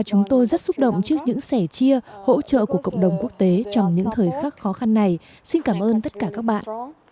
chúng tôi sẽ chia hỗ trợ của cộng đồng quốc tế trong những thời khắc khó khăn này xin cảm ơn tất cả các bạn